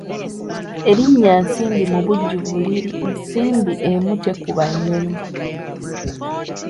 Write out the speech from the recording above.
Erinnya Nsimbi mubujjuvu liri Nsimbi emu tekuba nnyonyi.